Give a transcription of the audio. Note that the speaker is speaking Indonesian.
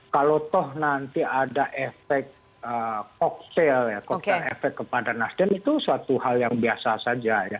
kalau toh nanti ada efek cocktail kepada nasdem itu suatu hal yang biasa saja